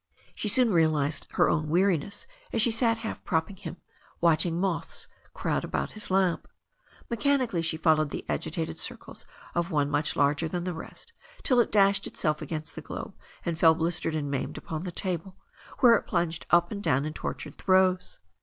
She soon realized her own weariness as she sat half prop ping him, watching moths crowd about his lamp. Mechan ically she followed the agitated circles of one much larger than the rest till it dashed itself against the globe and fell "]<(< THE STORY OF A NEW ZEALAND RIVER 341 blistered and maimed upon the table^ where it plunged up and down in tortured throes.